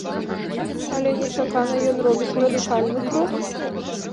Але нечакана ён робіць радыкальны крок.